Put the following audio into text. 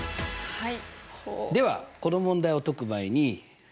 はい。